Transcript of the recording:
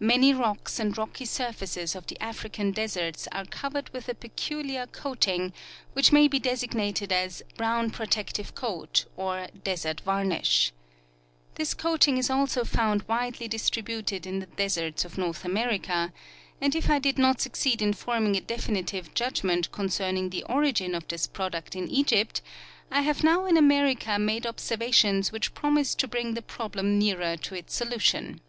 Many rocks and rocky surfaces of the African deserts are cov ered with a peculiar coating, which may be designated as "brown protective coat " or " desert varnish." This coating is also found widely distributed in the deserts of North America, and if I did not succeed in forming a definitive judgment concerning the origin of this product in Egypt, I have now in America made observations which promise to bring the problem nearer to its solution.